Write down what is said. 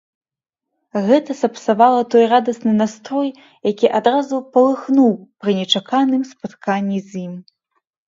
Гэта сапсавала той радасны настрой, які адразу палыхнуў пры нечаканым спатканні з ім.